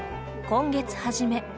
今月初め。